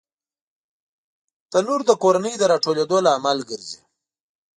تنور د کورنۍ د راټولېدو لامل ګرځي